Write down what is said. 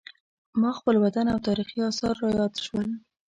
ما خپل وطن او تاریخي اثار را یاد شول.